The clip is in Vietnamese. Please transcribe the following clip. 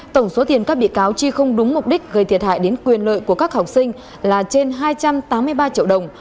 tổng số tiền các bị cáo chi không đúng mục đích gây thiệt hại đến quyền lợi của các học sinh là trên hai trăm tám mươi ba triệu đồng